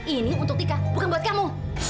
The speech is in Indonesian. ini untuk tika bukan buat kamu